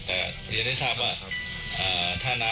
แต่ที่เรียนให้ทราบว่าถ้าน้ำลดลงมาศิษย์ทำงานได้